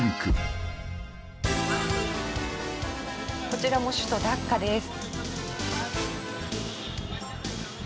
こちらも首都ダッカです。